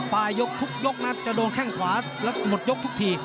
ปลายยกทุกยกนะจะโดนแข้งขวาแล้วหมดยกทุกที